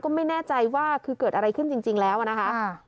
ก็ไม่แน่ใจว่าคือเกิดอะไรขึ้นจริงแล้วนะคะ